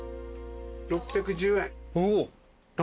６１０円？